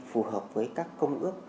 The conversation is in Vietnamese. phù hợp với các công ước